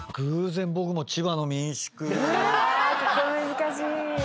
難しい！